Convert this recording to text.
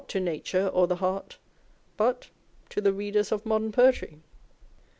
to nature or the heart, but â€" to the readers of modern poetry.